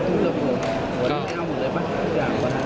ทุกเรือปรุง